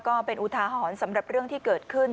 ก็เป็นอุทาหรณ์สำหรับเรื่องที่เกิดขึ้น